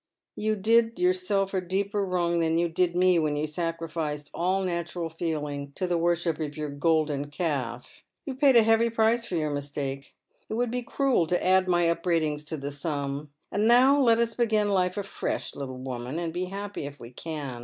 Yot. did yoiu self a deeper wrong than you did me when you sacrificed all natural feeling to the worship of your golden calf. You have paid a heavy price for your mistake ; it would be cruel to add my upbraidings to the sum. And now let us begin life afi esh, little woman, and be happy if we can.